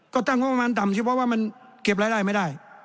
ก็ตั้งงบประมาณต่ำสิเพราะว่ามันเก็บรายได้ไม่ได้